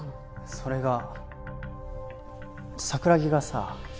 それが桜木がさ